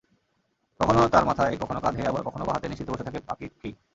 কখনো তাঁর মাথায়, কখনো কাঁধে, আবার কখনোবা হাতে নিশ্চিন্তে বসে থাকে পাখিটি।